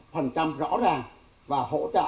phần trăm rõ ràng và hỗ trợ